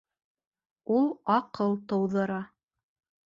Ул аҡыл тыуҙыра.